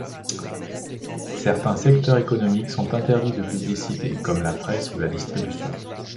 Certains secteurs économiques sont interdits de publicité, comme la presse ou la distribution.